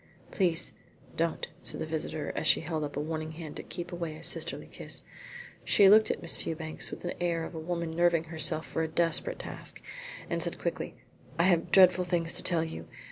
"Please, don't," said the visitor, as she held up a warning hand to keep away a sisterly kiss. She looked at Miss Fewbanks with the air of a woman nerving herself for a desperate task, and said quickly: "I have dreadful things to tell you.